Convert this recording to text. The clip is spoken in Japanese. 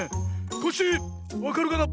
コッシーわかるかな？